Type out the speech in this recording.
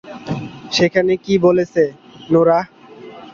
সেখানে কি বলেছে, নোরাহ?